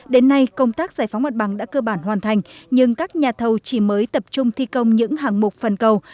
đến nay công tác giải phóng mặt bằng đã cơ bản hoàn thành nhưng các nhà thầu chỉ mới tập trung thi công những hàng mục phần cầu